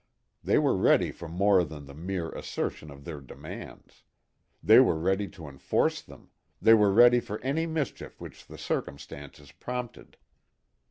They were ready for more than the mere assertion of their demands. They were ready to enforce them, they were ready for any mischief which the circumstances prompted.